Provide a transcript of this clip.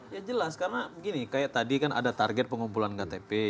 ya jelas karena begini kayak tadi kan ada target pengumpulan ktp